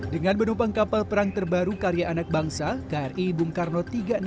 dengan menumpang kapal perang terbaru karya anak bangsa kri bung karno tiga ratus enam puluh